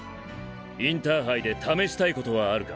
インターハイで試したいことはあるか？